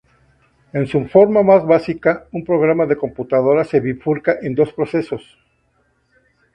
En su forma más básica, un programa de computadora se bifurca en dos procesos.